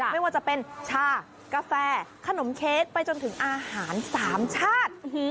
ไม่ว่าจะเป็นชากาแฟขนมเค้กไปจนถึงอาหาร๓ชาติ